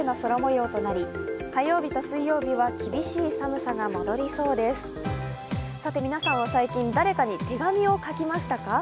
さて皆さんは最近、誰かに手紙を書きましたか？